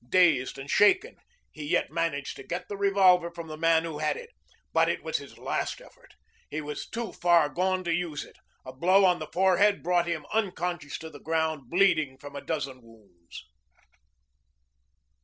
Dazed and shaken, he yet managed to get the revolver from the man who had it. But it was his last effort. He was too far gone to use it. A blow on the forehead brought him unconscious to the ground bleeding from a dozen wounds.